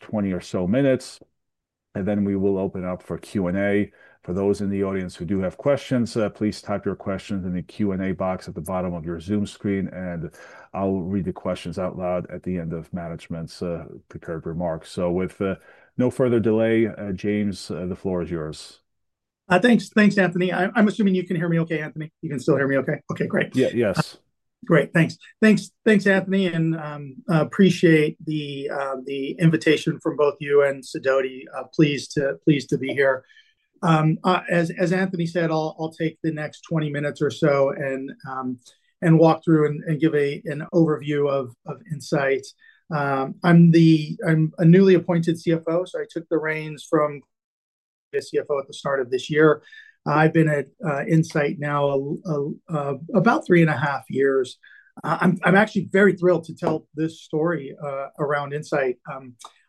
20 or so minutes, and then we will open up for Q&A. For those in the audience who do have questions, please type your questions in the Q&A box at the bottom of your Zoom screen, and I'll read the questions out loud at the end of management's prepared remarks. With no further delay, James, the floor is yours. Thanks, Anthony. I'm assuming you can hear me okay, Anthony? You can still hear me okay? Okay, great. Yeah, yes. Great, thanks. Thanks, Anthony, and appreciate the invitation from both you and Sadoti, pleased to be here. As Anthony said, I'll take the next 20 minutes or so and walk through and give an overview of Insight. I'm a newly appointed CFO, so I took the reins from the CFO at the start of this year. I've been at Insight now about three and a half years. I'm actually very thrilled to tell this story around Insight.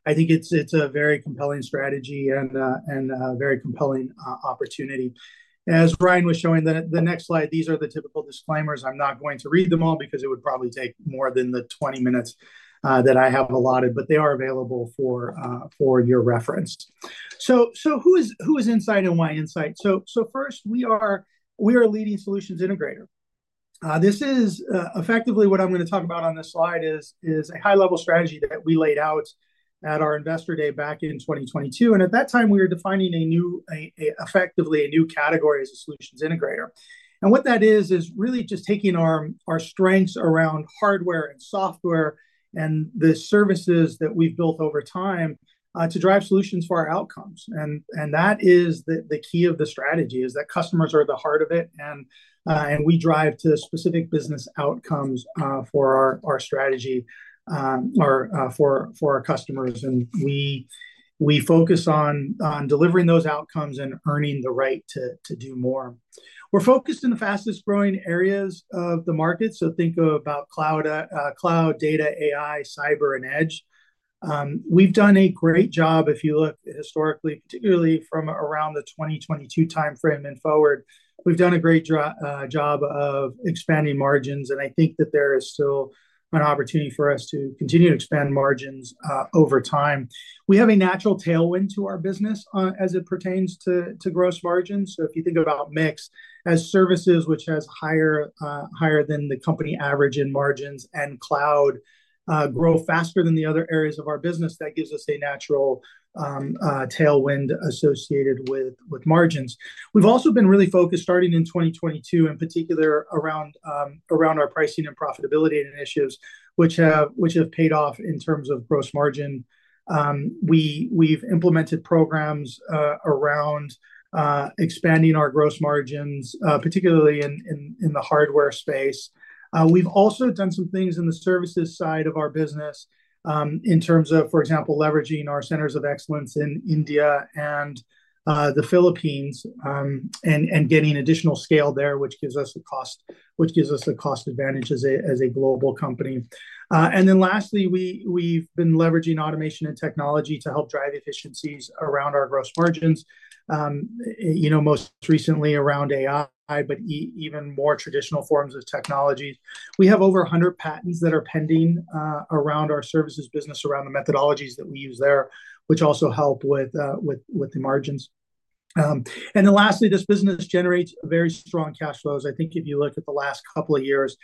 I think it's a very compelling strategy and a very compelling opportunity. As Ryan was showing the next slide, these are the typical disclaimers. I'm not going to read them all because it would probably take more than the 20 minutes that I have allotted, but they are available for your reference. Who is Insight and why Insight? First, we are a leading solutions integrator. This is effectively what I'm going to talk about on this slide. It is a high-level strategy that we laid out at our investor day back in 2022. At that time, we were defining effectively a new category as a solutions integrator. What that is, is really just taking our strengths around hardware and software and the services that we've built over time to drive solutions for our outcomes. That is the key of the strategy, that customers are at the heart of it, and we drive to specific business outcomes for our strategy or for our customers. We focus on delivering those outcomes and earning the right to do more. We're focused in the fastest growing areas of the market, so think about Cloud, data, AI, cyber, and Edge. We've done a great job, if you look historically, particularly from around the 2022 timeframe and forward, we've done a great job of expanding margins, and I think that there is still an opportunity for us to continue to expand margins over time. We have a natural tailwind to our business as it pertains to gross margins. If you think about mix as services, which has higher than the company average in margins, and Cloud grow faster than the other areas of our business, that gives us a natural tailwind associated with margins. We've also been really focused starting in 2022, in particular around our pricing and profitability initiatives, which have paid off in terms of gross margin. We've implemented programs around expanding our gross margins, particularly in the hardware space. We've also done some things in the services side of our business in terms of, for example, leveraging our centers of excellence in India and the Philippines and getting additional scale there, which gives us the cost advantage as a global company. Lastly, we've been leveraging automation and technology to help drive efficiencies around our gross margins, most recently around AI, but even more traditional forms of technologies. We have over 100 patents that are pending around our services business, around the methodologies that we use there, which also help with the margins. Lastly, this business generates very strong cash flows. I think if you look at the last couple of years,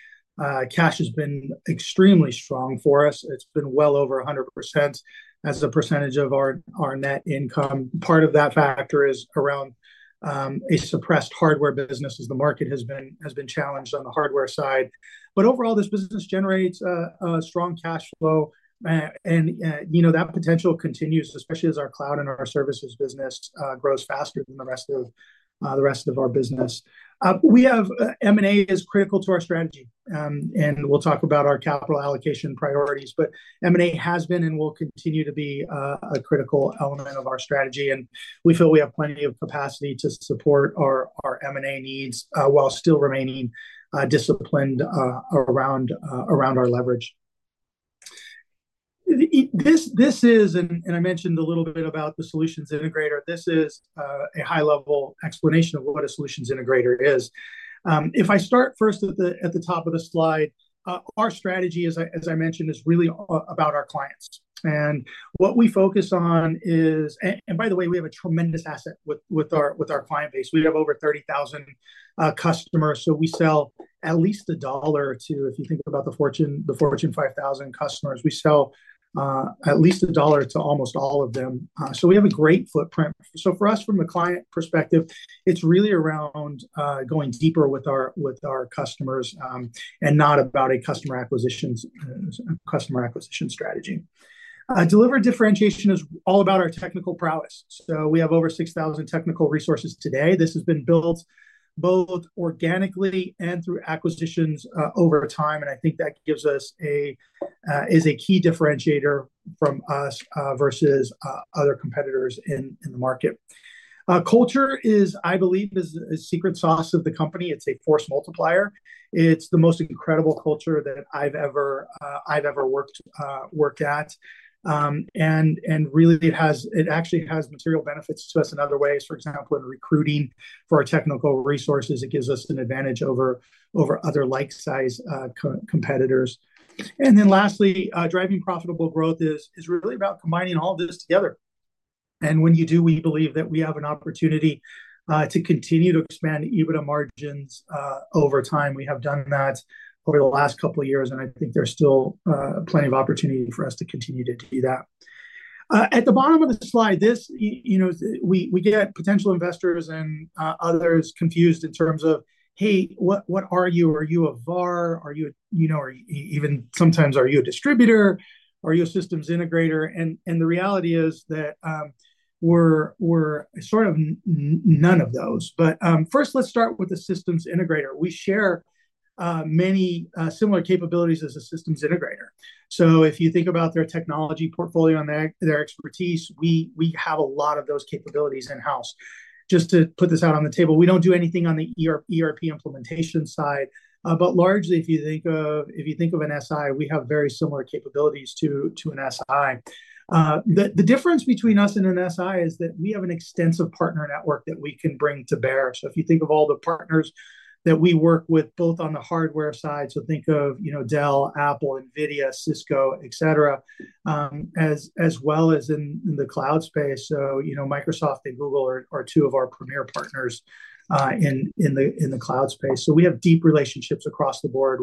cash has been extremely strong for us. It's been well over 100% as a percentage of our net income. Part of that factor is around a suppressed hardware business as the market has been challenged on the hardware side. Overall, this business generates a strong cash flow, and that potential continues, especially as our Cloud and our services business grows faster than the rest of our business. M&A is critical to our strategy, and we will talk about our capital allocation priorities, but M&A has been and will continue to be a critical element of our strategy, and we feel we have plenty of capacity to support our M&A needs while still remaining disciplined around our leverage. I mentioned a little bit about the solutions integrator. This is a high-level explanation of what a solutions integrator is. If I start first at the top of the slide, our strategy, as I mentioned, is really about our clients. What we focus on is, and by the way, we have a tremendous asset with our client base. We have over 30,000 customers, so we sell at least a dollar to, if you think about the Fortune 5000 customers, we sell at least a dollar to almost all of them. We have a great footprint. For us, from the client perspective, it is really around going deeper with our customers and not about a customer acquisition strategy. Delivered differentiation is all about our technical prowess. We have over 6,000 technical resources today. This has been built both organically and through acquisitions over time, and I think that is a key differentiator from us versus other competitors in the market. Culture is, I believe, a secret sauce of the company. It is a force multiplier. It is the most incredible culture that I have ever worked at. It actually has material benefits to us in other ways. For example, in recruiting for our technical resources, it gives us an advantage over other like-sized competitors. Lastly, driving profitable growth is really about combining all of this together. When you do, we believe that we have an opportunity to continue to expand EBITDA margins over time. We have done that over the last couple of years, and I think there is still plenty of opportunity for us to continue to do that. At the bottom of the slide, we get potential investors and others confused in terms of, "Hey, what are you? Are you a VAR? Are you even sometimes a distributor? Are you a systems integrator?" The reality is that we are sort of none of those. First, let's start with the systems integrator. We share many similar capabilities as a systems integrator. If you think about their technology portfolio and their expertise, we have a lot of those capabilities in-house. Just to put this out on the table, we do not do anything on the ERP implementation side, but largely, if you think of an SI, we have very similar capabilities to an SI. The difference between us and an SI is that we have an extensive partner network that we can bring to bear. If you think of all the partners that we work with both on the hardware side, think of Dell, Apple, NVIDIA, Cisco, etc., as well as in the Cloud space. Microsoft and Google are two of our premier partners in the Cloud space. We have deep relationships across the board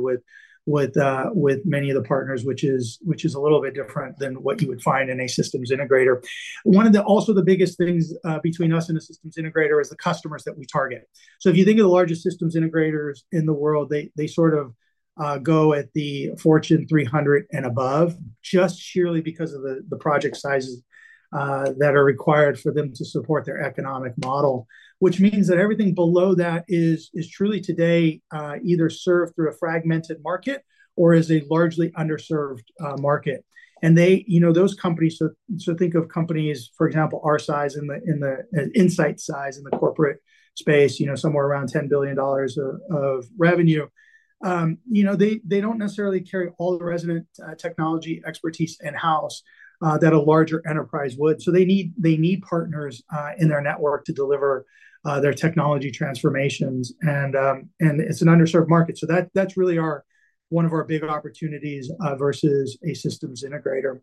with many of the partners, which is a little bit different than what you would find in a systems integrator. One of the also the biggest things between us and a systems integrator is the customers that we target. If you think of the largest systems integrators in the world, they sort of go at the Fortune 300 and above just sheerly because of the project sizes that are required for them to support their economic model, which means that everything below that is truly today either served through a fragmented market or is a largely underserved market. Those companies, so think of companies, for example, our size in the Insight size in the corporate space, somewhere around $10 billion of revenue, they do not necessarily carry all the resident technology expertise in-house that a larger enterprise would. They need partners in their network to deliver their technology transformations, and it is an underserved market. That is really one of our big opportunities versus a systems integrator.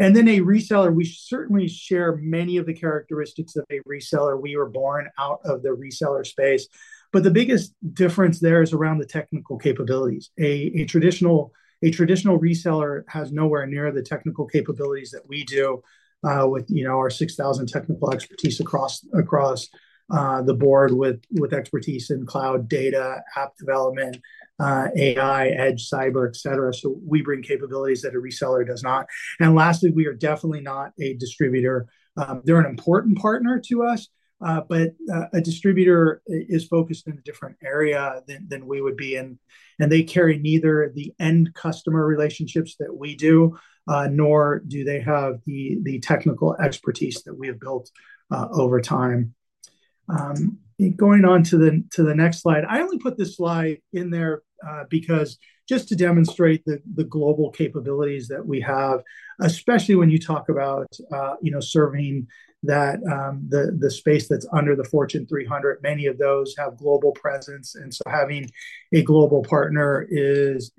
A reseller, we certainly share many of the characteristics of a reseller. We were born out of the reseller space. The biggest difference there is around the technical capabilities. A traditional reseller has nowhere near the technical capabilities that we do with our 6,000 technical expertise across the board with expertise in Cloud, data, app development, AI, Edge, cyber, etc. We bring capabilities that a reseller does not. Lastly, we are definitely not a distributor. They are an important partner to us, but a distributor is focused in a different area than we would be, and they carry neither the end customer relationships that we do, nor do they have the technical expertise that we have built over time. Going on to the next slide, I only put this slide in there just to demonstrate the global capabilities that we have, especially when you talk about serving the space that's under the Fortune 300. Many of those have global presence, and having a global partner is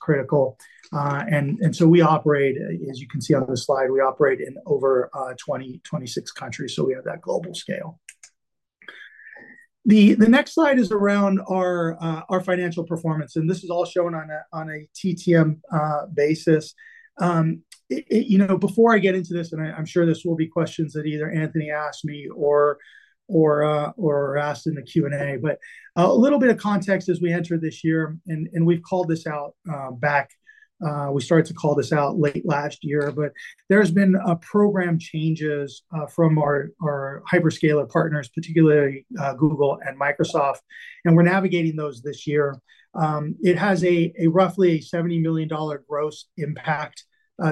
critical. We operate, as you can see on the slide, in over 26 countries, so we have that global scale. The next slide is around our financial performance, and this is all shown on a TTM basis. Before I get into this, and I'm sure this will be questions that either Anthony asked me or asked in the Q&A, a little bit of context as we enter this year, and we've called this out back. We started to call this out late last year, but there have been program changes from our hyperscaler partners, particularly Google and Microsoft, and we're navigating those this year. It has roughly a $70 million gross impact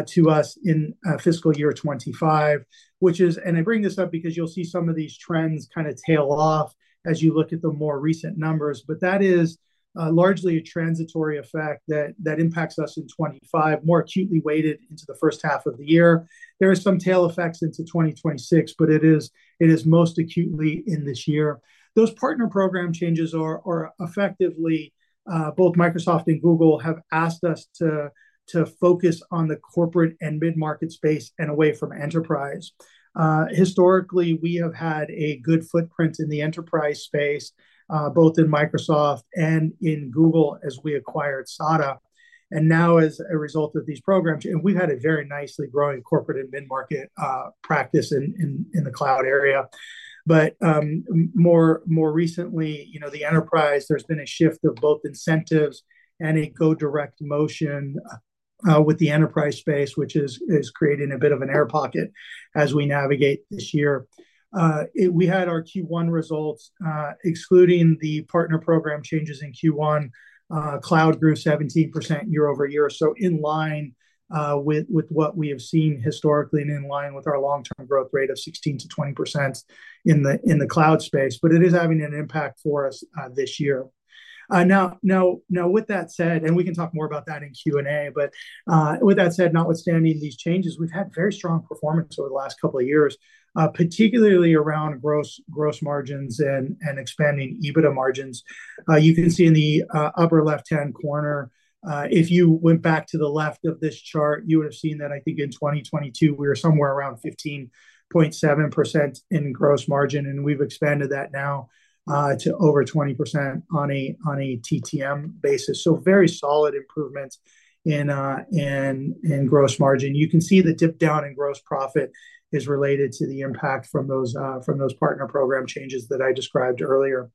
to us in fiscal year 2025, which is, and I bring this up because you'll see some of these trends kind of tail off as you look at the more recent numbers, but that is largely a transitory effect that impacts us in 2025, more acutely weighted into the first half of the year. There are some tail effects into 2026, but it is most acutely in this year. Those partner program changes are effectively both Microsoft and Google have asked us to focus on the corporate and mid-market space and away from enterprise. Historically, we have had a good footprint in the enterprise space, both in Microsoft and in Google as we acquired SADA. Now, as a result of these programs, we've had a very nicely growing corporate and mid-market practice in the Cloud area. More recently, the enterprise, there's been a shift of both incentives and a go direct motion with the enterprise space, which is creating a bit of an air pocket as we navigate this year. We had our Q1 results, excluding the partner program changes in Q1, Cloud grew 17% year over year, in line with what we have seen historically and in line with our long-term growth rate of 16%-20% in the Cloud space, but it is having an impact for us this year. Now, with that said, and we can talk more about that in Q&A, but with that said, notwithstanding these changes, we've had very strong performance over the last couple of years, particularly around gross margins and expanding EBITDA margins. You can see in the upper left-hand corner, if you went back to the left of this chart, you would have seen that I think in 2022, we were somewhere around 15.7% in gross margin, and we've expanded that now to over 20% on a TTM basis. So very solid improvements in gross margin. You can see the dip down in gross profit is related to the impact from those partner program changes that I described earlier.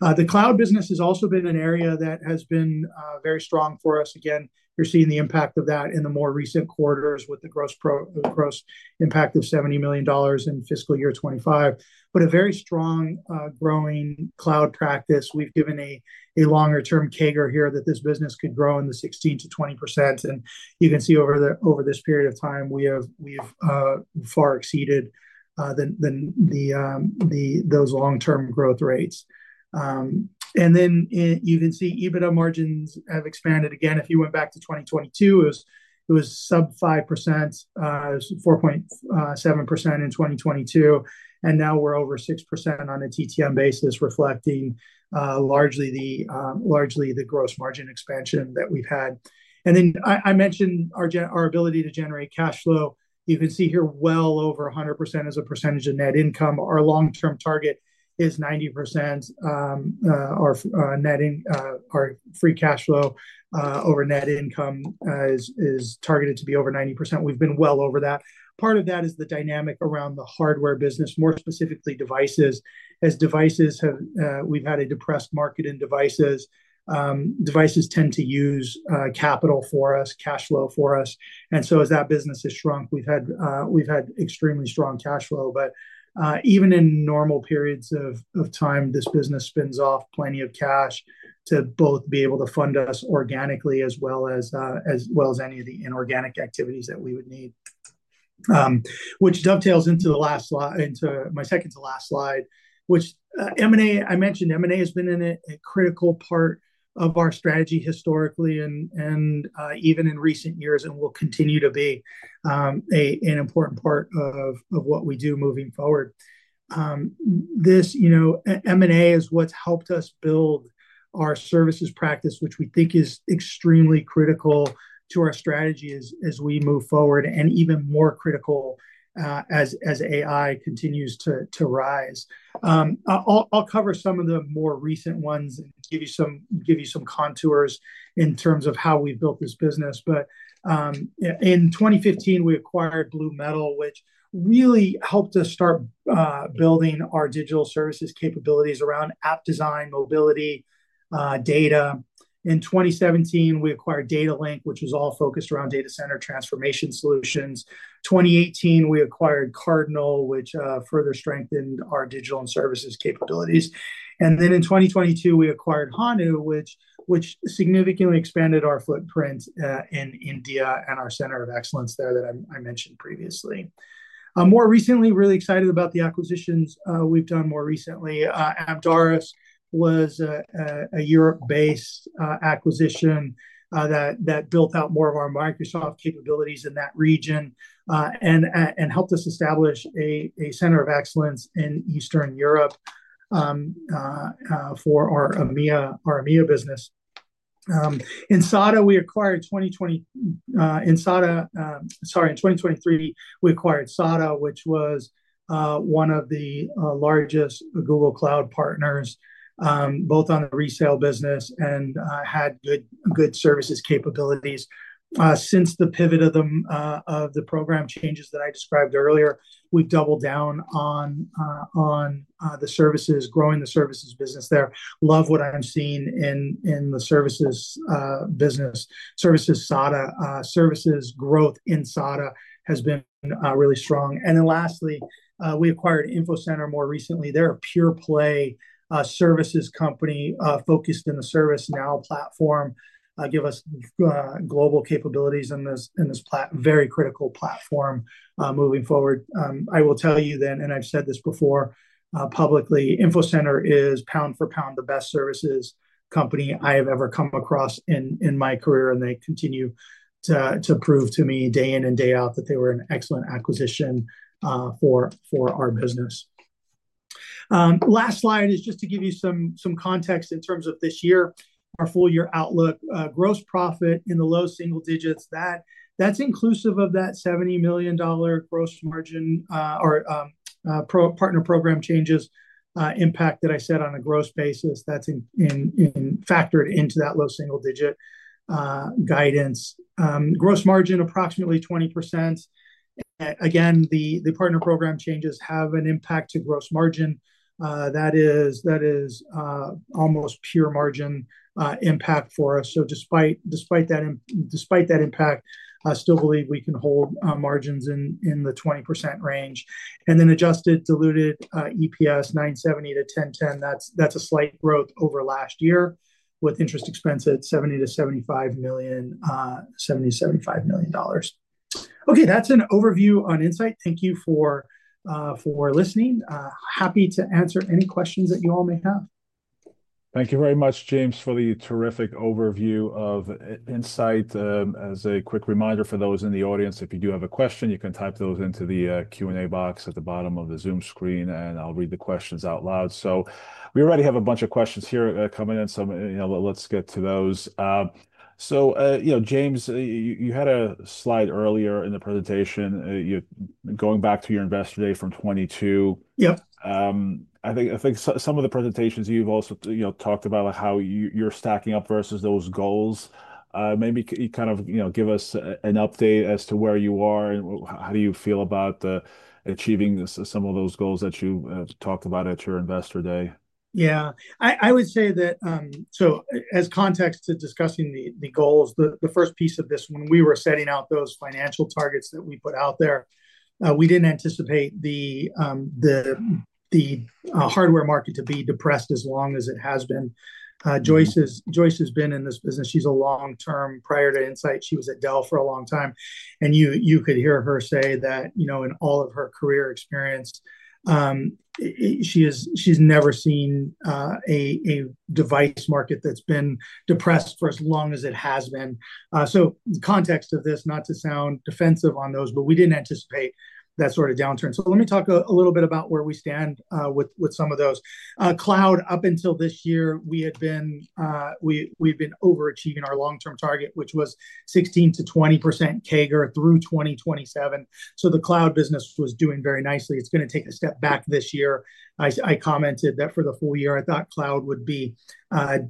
The Cloud business has also been an area that has been very strong for us. Again, you're seeing the impact of that in the more recent quarters with the gross impact of $70 million in fiscal year 2025, but a very strong growing Cloud practice. We've given a longer-term CAGR here that this business could grow in the 16%-20%, and you can see over this period of time, we have far exceeded those long-term growth rates. You can see EBITDA margins have expanded. Again, if you went back to 2022, it was sub 5%, 4.7% in 2022, and now we're over 6% on a TTM basis, reflecting largely the gross margin expansion that we've had. I mentioned our ability to generate cash flow. You can see here well over 100% as a percentage of net income. Our long-term target is 90%. Our free cash flow over net income is targeted to be over 90%. We've been well over that. Part of that is the dynamic around the hardware business, more specifically devices. As devices, we've had a depressed market in devices. Devices tend to use capital for us, cash flow for us. As that business has shrunk, we've had extremely strong cash flow. Even in normal periods of time, this business spends off plenty of cash to both be able to fund us organically as well as any of the inorganic activities that we would need, which dovetails into my second to last slide, which I mentioned M&A has been a critical part of our strategy historically and even in recent years and will continue to be an important part of what we do moving forward. M&A is what's helped us build our services practice, which we think is extremely critical to our strategy as we move forward and even more critical as AI continues to rise. I'll cover some of the more recent ones and give you some contours in terms of how we've built this business. In 2015, we acquired Blue Metal, which really helped us start building our digital services capabilities around app design, mobility, data. In 2017, we acquired DataLink, which was all focused around data center transformation solutions. In 2018, we acquired Cardinal, which further strengthened our digital and services capabilities. In 2022, we acquired Hanu, which significantly expanded our footprint in India and our center of excellence there that I mentioned previously. More recently, really excited about the acquisitions we've done more recently. Amdaris was a Europe-based acquisition that built out more of our Microsoft capabilities in that region and helped us establish a center of excellence in Eastern Europe for our AMEA business. In 2023, we acquired SADA, which was one of the largest Google Cloud partners, both on the resale business and had good services capabilities. Since the pivot of the program changes that I described earlier, we've doubled down on the services, growing the services business there. Love what I'm seeing in the services business. Services SADA, services growth in SADA has been really strong. Lastly, we acquired Infocenter more recently. They're a pure-play services company focused in the ServiceNow platform, give us global capabilities in this very critical platform moving forward. I will tell you then, and I've said this before publicly, Infocenter is pound for pound the best services company I have ever come across in my career, and they continue to prove to me day in and day out that they were an excellent acquisition for our business. Last slide is just to give you some context in terms of this year, our full-year outlook. Gross profit in the low single digits, that's inclusive of that $70 million gross margin or partner program changes impact that I said on a gross basis that's factored into that low single digit guidance. Gross margin approximately 20%. Again, the partner program changes have an impact to gross margin. That is almost pure margin impact for us. Despite that impact, I still believe we can hold margins in the 20% range. And then adjusted diluted EPS, 970 to 1010, that's a slight growth over last year with interest expenses at 70-75 million, $70-$75 million. Okay, that's an overview on Insight. Thank you for listening. Happy to answer any questions that you all may have. Thank you very much, James, for the terrific overview of Insight. As a quick reminder for those in the audience, if you do have a question, you can type those into the Q&A box at the bottom of the Zoom screen, and I'll read the questions out loud. We already have a bunch of questions here coming in, so let's get to those. James, you had a slide earlier in the presentation going back to your investor day from 2022. Yep. I think some of the presentations you've also talked about how you're stacking up versus those goals. Maybe you kind of give us an update as to where you are and how do you feel about achieving some of those goals that you talked about at your investor day? Yeah. I would say that, so as context to discussing the goals, the first piece of this, when we were setting out those financial targets that we put out there, we did not anticipate the hardware market to be depressed as long as it has been. Joyce has been in this business. She is a long-term, prior to Insight. She was at Dell for a long time. You could hear her say that in all of her career experience, she has never seen a device market that has been depressed for as long as it has been. Context of this, not to sound defensive on those, but we did not anticipate that sort of downturn. Let me talk a little bit about where we stand with some of those. Cloud, up until this year, we had been overachieving our long-term target, which was 16%-20% CAGR through 2027. The Cloud business was doing very nicely. It's going to take a step back this year. I commented that for the full year, I thought Cloud would be flat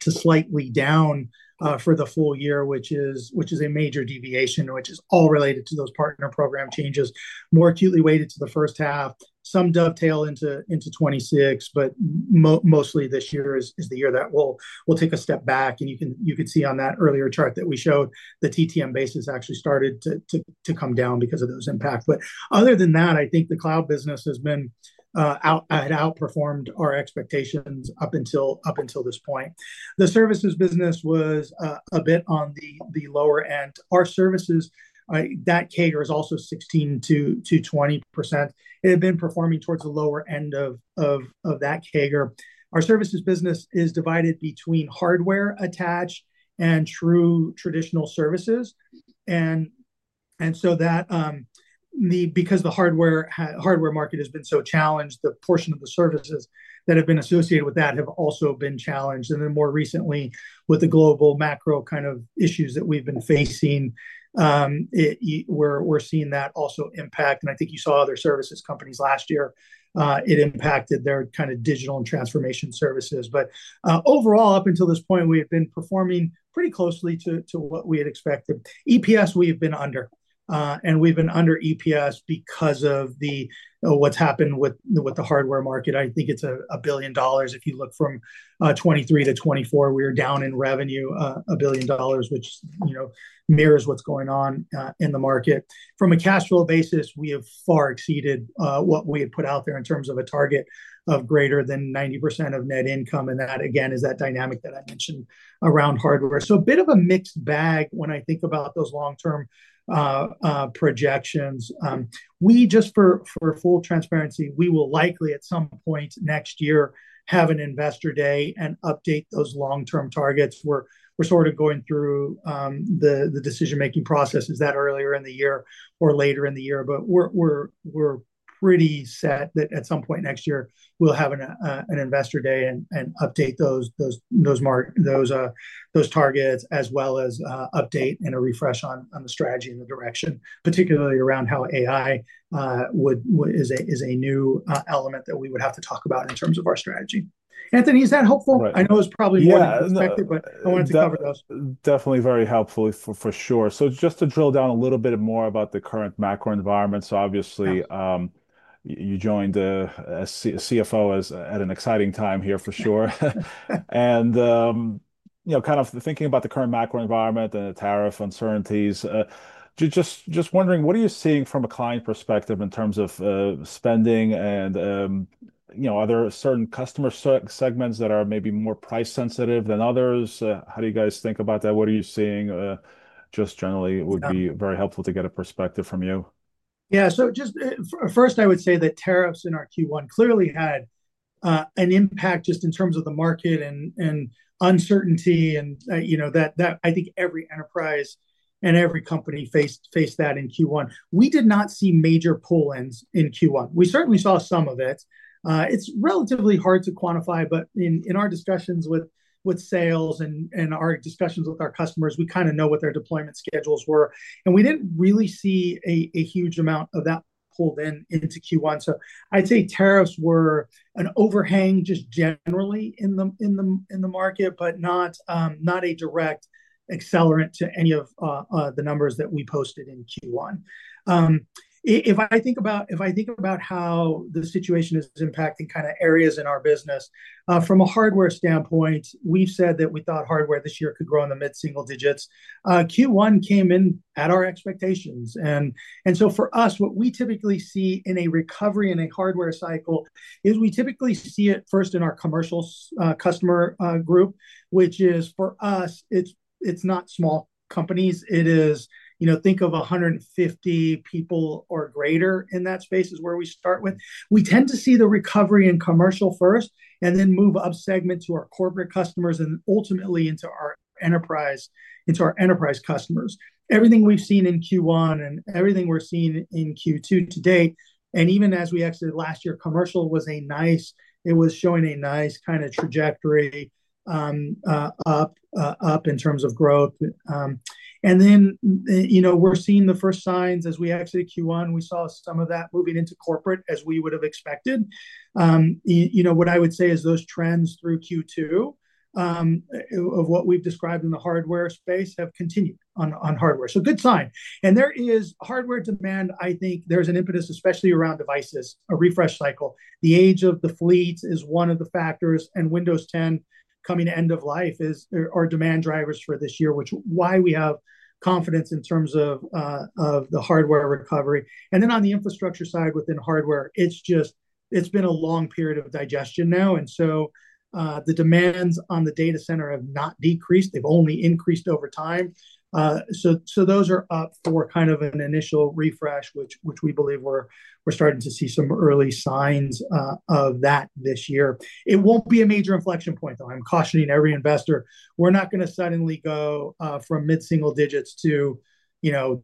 to slightly down for the full year, which is a major deviation, which is all related to those partner program changes. More acutely weighted to the first half. Some dovetail into 2026, but mostly this year is the year that we'll take a step back. You can see on that earlier chart that we showed the TTM basis actually started to come down because of those impacts. Other than that, I think the Cloud business has outperformed our expectations up until this point. The services business was a bit on the lower end. Our services, that CAGR is also 16%-20%. It had been performing towards the lower end of that CAGR. Our services business is divided between hardware attached and true traditional services. Because the hardware market has been so challenged, the portion of the services that have been associated with that have also been challenged. More recently, with the global macro kind of issues that we've been facing, we're seeing that also impact. I think you saw other services companies last year. It impacted their kind of digital and transformation services. Overall, up until this point, we have been performing pretty closely to what we had expected. EPS, we have been under. We've been under EPS because of what's happened with the hardware market. I think it's a billion dollars. If you look from 2023-2024, we were down in revenue $1 billion, which mirrors what's going on in the market. From a cash flow basis, we have far exceeded what we had put out there in terms of a target of greater than 90% of net income. That, again, is that dynamic that I mentioned around hardware. A bit of a mixed bag when I think about those long-term projections. Just for full transparency, we will likely at some point next year have an investor day and update those long-term targets. We're sort of going through the decision-making process, is that earlier in the year or later in the year? We are pretty set that at some point next year, we'll have an investor day and update those targets as well as update and a refresh on the strategy and the direction, particularly around how AI is a new element that we would have to talk about in terms of our strategy. Anthony, is that helpful? I know it's probably more than expected, but I wanted to cover those. Definitely very helpful for sure. Just to drill down a little bit more about the current macro environment. Obviously, you joined as CFO at an exciting time here for sure. Kind of thinking about the current macro environment and the tariff uncertainties, just wondering, what are you seeing from a client perspective in terms of spending? Are there certain customer segments that are maybe more price-sensitive than others? How do you guys think about that? What are you seeing? Just generally, it would be very helpful to get a perspective from you. Yeah. Just first, I would say that tariffs in our Q1 clearly had an impact just in terms of the market and uncertainty. I think every enterprise and every company faced that in Q1. We did not see major pull-ins in Q1. We certainly saw some of it. It's relatively hard to quantify, but in our discussions with sales and our discussions with our customers, we kind of know what their deployment schedules were. We didn't really see a huge amount of that pulled into Q1. I'd say tariffs were an overhang just generally in the market, but not a direct accelerant to any of the numbers that we posted in Q1. If I think about how the situation is impacting kind of areas in our business, from a hardware standpoint, we've said that we thought hardware this year could grow in the mid-single digits. Q1 came in at our expectations. For us, what we typically see in a recovery in a hardware cycle is we typically see it first in our commercial customer group, which is for us, it's not small companies. Think of 150 people or greater in that space is where we start with. We tend to see the recovery in commercial first and then move up segment to our corporate customers and ultimately into our enterprise customers. Everything we've seen in Q1 and everything we're seeing in Q2 to date, and even as we exited last year, commercial was a nice, it was showing a nice kind of trajectory up in terms of growth. We are seeing the first signs as we exited Q1. We saw some of that moving into corporate as we would have expected. What I would say is those trends through Q2 of what we have described in the hardware space have continued on hardware. Good sign. There is hardware demand. I think there is an impetus, especially around devices, a refresh cycle. The age of the fleet is one of the factors. Windows 10 coming to end of life are demand drivers for this year, which is why we have confidence in terms of the hardware recovery. On the infrastructure side within hardware, it has been a long period of digestion now. The demands on the data center have not decreased. They have only increased over time. Those are up for kind of an initial refresh, which we believe we're starting to see some early signs of this year. It will not be a major inflection point, though. I'm cautioning every investor. We're not going to suddenly go from mid-single digits to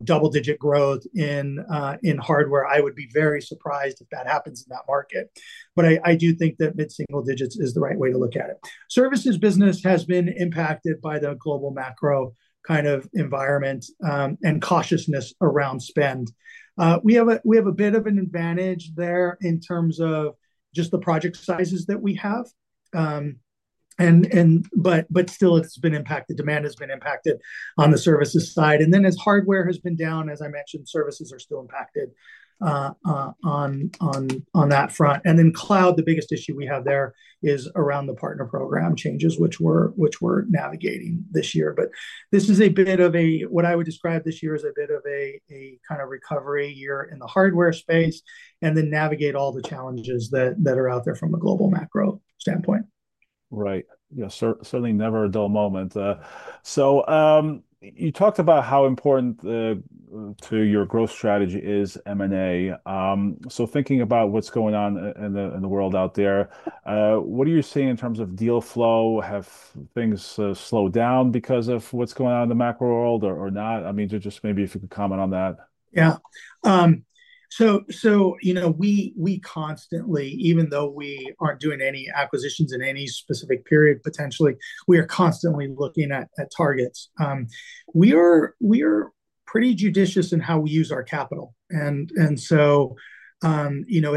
double-digit growth in hardware. I would be very surprised if that happens in that market. I do think that mid-single digits is the right way to look at it. Services business has been impacted by the global macro kind of environment and cautiousness around spend. We have a bit of an advantage there in terms of just the project sizes that we have. Still, it has been impacted. Demand has been impacted on the services side. As hardware has been down, as I mentioned, services are still impacted on that front. Cloud, the biggest issue we have there is around the partner program changes, which we are navigating this year. This year is a bit of what I would describe as a kind of recovery year in the hardware space, and then navigate all the challenges that are out there from a global macro standpoint. Right. Certainly never a dull moment. You talked about how important to your growth strategy is M&A. Thinking about what is going on in the world out there, what are you seeing in terms of deal flow? Have things slowed down because of what is going on in the macro world or not? I mean, maybe if you could comment on that. Yeah. We constantly, even though we are not doing any acquisitions in any specific period potentially, we are constantly looking at targets. We are pretty judicious in how we use our capital. It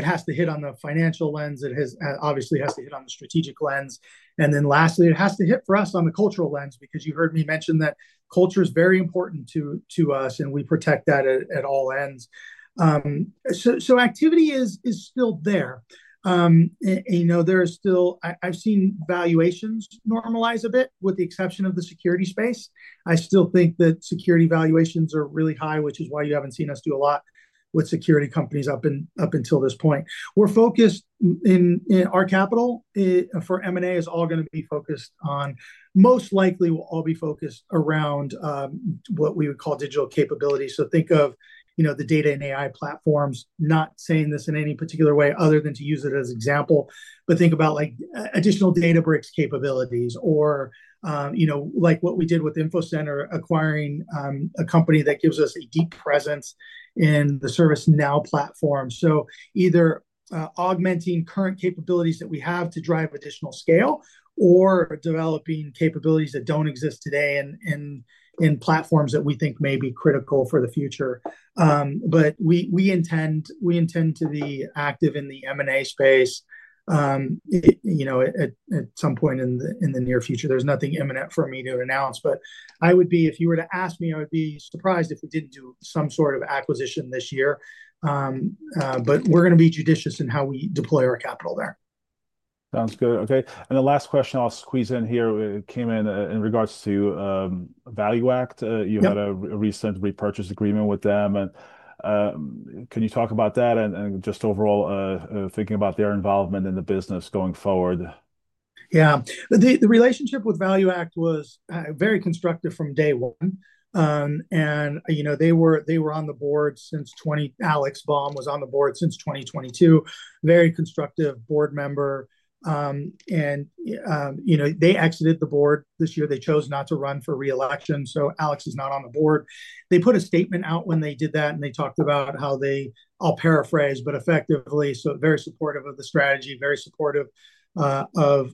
has to hit on the financial lens. It obviously has to hit on the strategic lens. Lastly, it has to hit for us on the cultural lens because you heard me mention that culture is very important to us, and we protect that at all ends. Activity is still there. I've seen valuations normalize a bit with the exception of the security space. I still think that security valuations are really high, which is why you haven't seen us do a lot with security companies up until this point. Where we are focused in our capital for M&A is all going to be focused on, most likely will all be focused around, what we would call digital capabilities. Think of the data and AI platforms, not saying this in any particular way other than to use it as an example, but think about additional Databricks capabilities or like what we did with Infocenter acquiring a company that gives us a deep presence in the ServiceNow platform. Either augmenting current capabilities that we have to drive additional scale or developing capabilities that do not exist today in platforms that we think may be critical for the future. We intend to be active in the M&A space at some point in the near future. There is nothing imminent for me to announce. I would be, if you were to ask me, I would be surprised if we did not do some sort of acquisition this year. We are going to be judicious in how we deploy our capital there. Sounds good. Okay. The last question I'll squeeze in here came in in regards to ValueAct. You had a recent repurchase agreement with them. Can you talk about that and just overall thinking about their involvement in the business going forward? Yeah. The relationship with ValueAct was very constructive from day one. They were on the board since Alex Baum was on the board since 2022. Very constructive board member. They exited the board this year. They chose not to run for reelection. Alex is not on the board. They put a statement out when they did that, and they talked about how they, I'll paraphrase, but effectively, very supportive of the strategy, very supportive of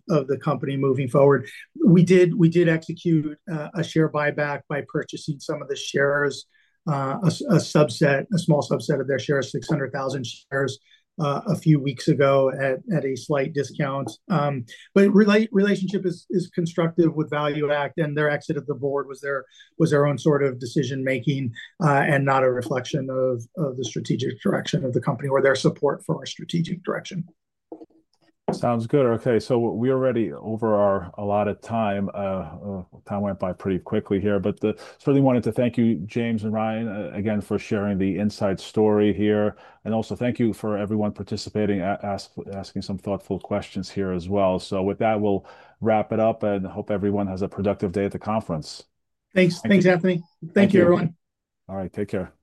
the company moving forward. We did execute a share buyback by purchasing some of the shares, a small subset of their shares, 600,000 shares a few weeks ago at a slight discount. The relationship is constructive with ValueAct, and their exit of the board was their own sort of decision-making and not a reflection of the strategic direction of the company or their support for our strategic direction. Sounds good. Okay. We are already over a lot of time. Time went by pretty quickly here. Certainly wanted to thank you, James and Ryan, again for sharing the inside story here. Also thank you for everyone participating, asking some thoughtful questions here as well. With that, we will wrap it up and hope everyone has a productive day at the conference. Thanks. Thanks, Anthony. Thank you, everyone. All right. Take care.